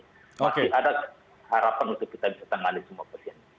masih ada harapan untuk kita bisa tangani semua pasien